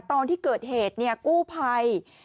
ตอนที่เกิดเหตุกู้ภัย